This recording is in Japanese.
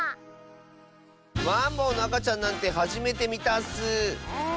マンボウのあかちゃんなんてはじめてみたッスー。